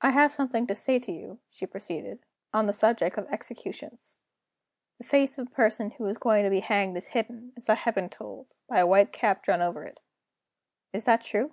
"I have something to say to you," she proceeded, "on the subject of executions. The face of a person who is going to be hanged is hidden, as I have been told, by a white cap drawn over it. Is that true?"